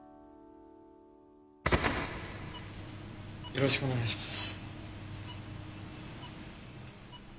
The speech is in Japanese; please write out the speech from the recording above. よろしくお願いします。